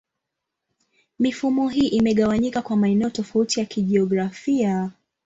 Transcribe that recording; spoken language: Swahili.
Mifumo hii imegawanyika kwa maeneo tofauti ya kijiografia.